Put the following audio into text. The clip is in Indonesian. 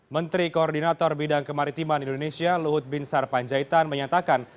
menteri koordinator bidang kemaritiman indonesia luhut bin sarpanjaitan menyatakan